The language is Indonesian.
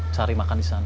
cari makan di sana